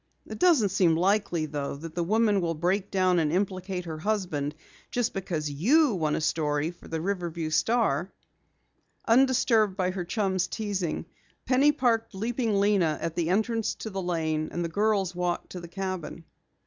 "It doesn't seem likely, though, that the woman will break down and implicate her husband just because you want a story for the Riverview Star." Undisturbed by her chum's teasing, Penny parked Leaping Lena at the entrance to the lane, and the girls walked to the cabin.